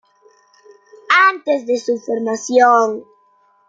Antes de su formación.